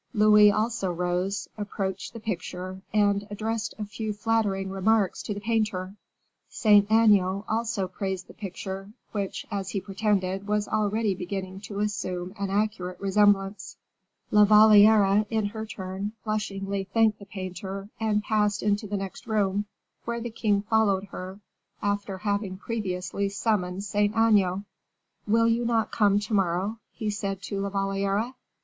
Louis also rose, approached the picture, and addressed a few flattering remarks to the painter. Saint Aignan also praised the picture, which, as he pretended, was already beginning to assume an accurate resemblance. La Valliere in her turn, blushingly thanked the painter and passed into the next room, where the king followed her, after having previously summoned Saint Aignan. "Will you not come to morrow?" he said to La Valliere.